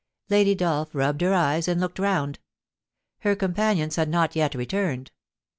Lady Dolph rubbed her eyes, and looked round. Her companions had not yet returned.